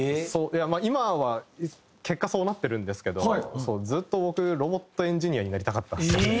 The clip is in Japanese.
いや今は結果そうなってるんですけどずっと僕ロボットエンジニアになりたかったんですよね。